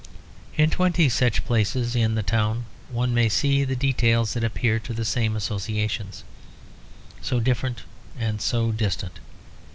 In twenty such places in the town one may see the details that appeal to the same associations, so different and so distant.